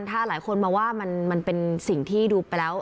ถ้าหลายคนมองว่ามันเป็นสิ่งที่ดูไปแล้ว